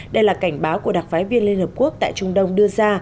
đây là cảnh báo của đặc phái viên liên hợp quốc tại trung đông đưa ra